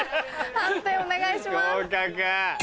判定お願いします。